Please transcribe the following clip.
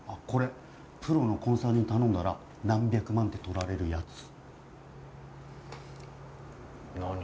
これプロのコンサルに頼んだら何百万ってとられるやつ何？